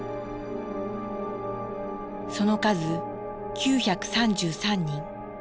その数９３３人。